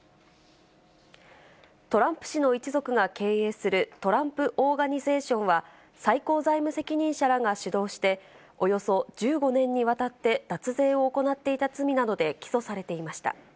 トランプ氏の一族が経営するトランプ・オーガニゼーションは、最高財務責任者らが主導して、およそ１５年にわたって脱税を行っていた罪などで起訴されていました。